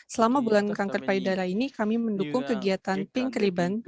selama bulan kanker payudara ini kami mendukung kegiatan pink rebound